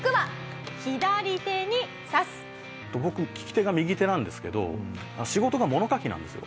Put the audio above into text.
僕利き手が右手なんですけど仕事が物書きなんですよ。